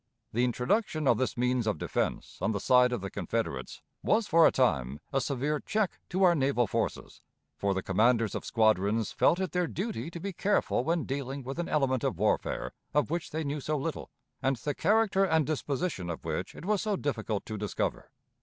The introduction of this means of defense on the side of the Confederates was for a time a severe check to our naval forces, for the commanders of squadrons felt it their duty to be careful when dealing with an element of warfare of which they knew so little, and the character and disposition of which it was so difficult to discover.